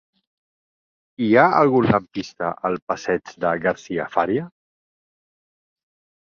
Hi ha algun lampista al passeig de Garcia Fària?